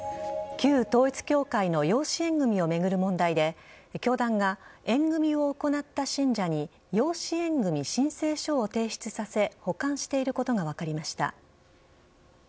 旧統一教会の養子縁組を巡る問題で教団が縁組を行った信者に養子縁組申請書を提出させ保管していることが分かりました。